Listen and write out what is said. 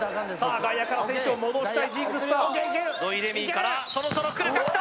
外野から選手を戻したいジークスター土井レミイからそろそろくるかきた！